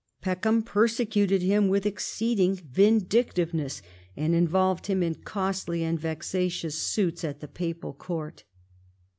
Peckham persecuted him with exceeding vindictiveness, and involved him in costly and vexatious suits at the papal court.